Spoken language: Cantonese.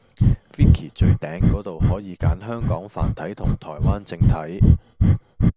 Wiki 最頂果度可以揀香港繁體同台灣正體